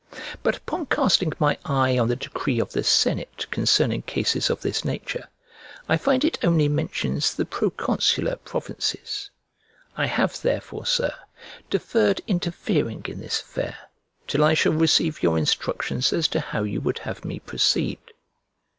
But upon casting my eye on the decree of the senate concerning cases of this nature, I find it only mentions the proconsular provinces. I have therefore, Sir, deferred interfering in this affair, till I shall receive your instructions as to how you would have me proceed.